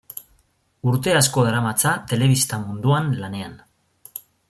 Urte asko daramatza telebista munduan lanean.